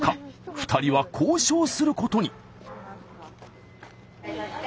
２人は交渉することに。